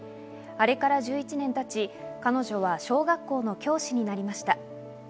あれから１１年経ち、彼女は小学校の教師になりました。